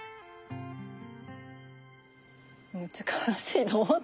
めっちゃ悲しいと思って。